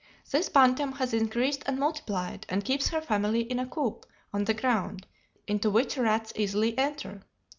This bantam has increased and multiplied, and keeps her family in a "coop" on the ground, into which rats easily enter.